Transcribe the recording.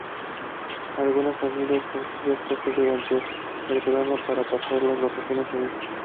Algunas familias alquilan casas durante el verano para pasar las vacaciones allí.